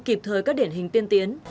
kịp thời các điển hình tiên tiến